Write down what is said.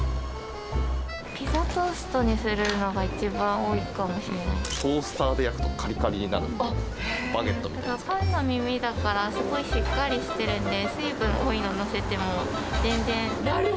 ピザトーストにするのが一番トースターで焼くと、かりかパンの耳だから、すごいしっかりしてるんで、水分多いの載せても、全然。